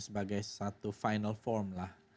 sebagai satu final form lah